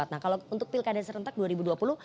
nah kalau untuk pilkada serentak dua ribu dua puluh